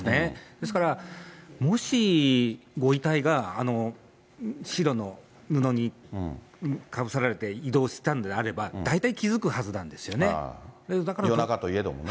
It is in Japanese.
ですから、もしご遺体が、あの白の布にかぶせられて移動したんであれば、夜中といえどもね。